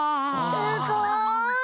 すごい！